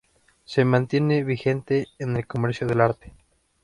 Se mantiene vigente en el comercio del arte.